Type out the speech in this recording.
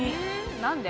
何で？